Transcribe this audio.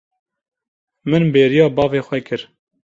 Min bêriya bavê xwe kir.